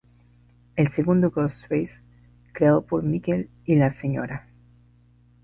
El segundo Ghostface, creado por Mickey y la Sra.